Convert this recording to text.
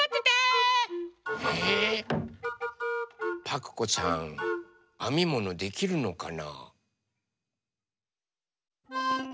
パクこさんあみものできるのかな？